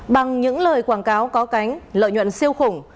bằng những lời quảng cáo có cánh lợi nhuận siêu khủng